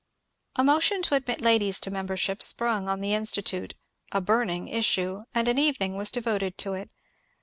A motion to admit ladies to membership sprung on the In stitute a ^^ burning issue," and an evening was devoted to it.